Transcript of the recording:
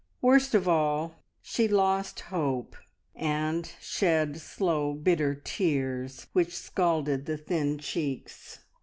Worst of all, she lost hope, and shed slow, bitter tears, which scalded the thin cheeks.